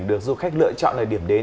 được du khách lựa chọn là điểm đến